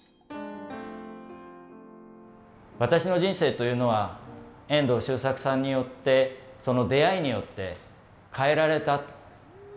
私の人生というのは遠藤周作さんによってその出会いによって変えられたというふうに思っています。